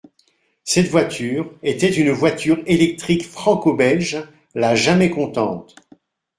Cette voiture était une voiture électrique franco-belge, la « Jamais contente ».